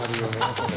これ。